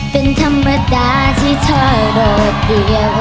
เป็นธรรมดาที่เธอโดดเดียว